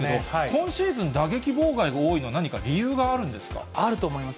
今シーズン、打撃妨害が多いあると思います。